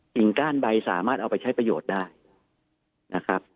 ก้านใบสามารถเอาไปใช้ประโยชน์ได้นะครับ